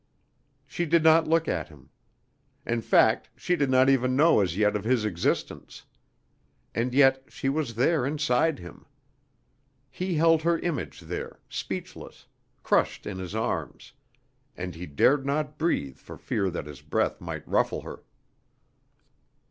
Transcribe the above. She did not look at him. In fact she did not even know as yet of his existence. And yet she was there inside him. He held her image there, speechless, crushed in his arms, and he dared not breathe for fear that his breath might ruffle her.